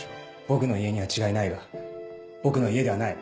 僕の家には違いないが僕の家ではない。